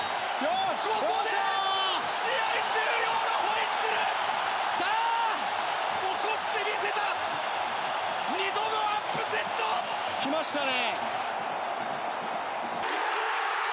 ここで試合終了のホイッスル！起こしてみせた２度のアップセット！来ましたね。